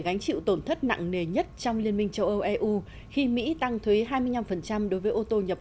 gánh chịu tổn thất nặng nề nhất trong liên minh châu âu eu khi mỹ tăng thuế hai mươi năm đối với ô tô nhập